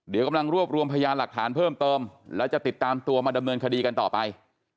เดี๋ยวกำลังรวบรวมพยานหลักฐานเพิ่มเติมแล้วจะติดตามตัวมาดำเนินคดีกันต่อไป